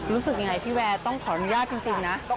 รู้สึกยังไงพี่แวร์ต้องขออนุญาตจริงนะ